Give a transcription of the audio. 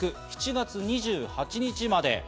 ７月２８日まで。